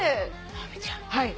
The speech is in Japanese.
直美ちゃん